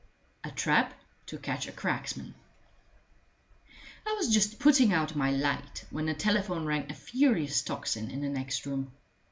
A Trap to Catch a Cracksman I was just putting out my light when the telephone rang a furious tocsin in the next room.